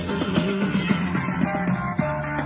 สวัสดีครับทุกคน